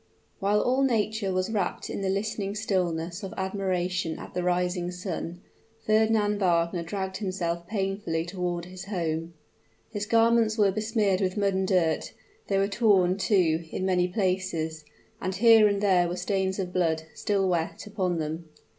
While all nature was wrapped in the listening stillness of admiration at the rising sun, Fernand Wagner dragged himself painfully toward his home. His garments were besmeared with mud and dirt; they were torn, too, in many places; and here and there were stains of blood, still wet, upon them.